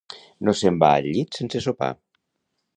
No se'n va al llit sense sopar.